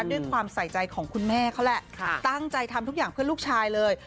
ด้วยความใส่ใจของคุณแม่เขาแหละตั้งใจทำทุกอย่างเพื่อลูกชายเลย